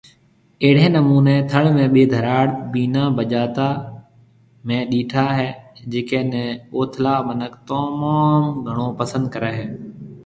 اهڙي نموني ٿڙ ۾ بِي ڌراڙ بينا بجاتي مينهه ڏيٺا هي جڪي ني اوٿلا منک تموم گھڻو پسند ڪري هي